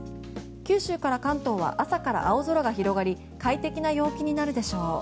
九州から関東は朝から青空が広がり快適な陽気になるでしょう。